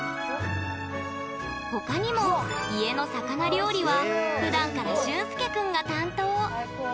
他にも、家の魚料理はふだんから、しゅんすけ君が担当。